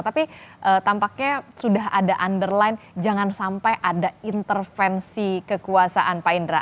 tapi tampaknya sudah ada underline jangan sampai ada intervensi kekuasaan pak indra